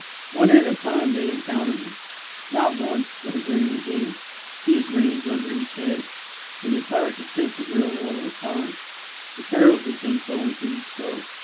One at a time they encounter him,—not once, but again and again; and he has ranged under each head, in entire contempt of real order of time, the perils he thinks owing to each foe.